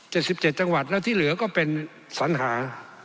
๗๗จังหวัดแล้วที่เหลือก็เป็นสรรหา